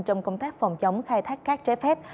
trong công tác phòng chống khai thác cát trái phép